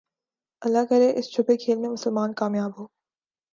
اللہ کرے اس چھپے کھیل میں مسلمان کامیاب ہو